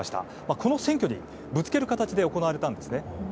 この選挙にぶつける形で行われたんですね。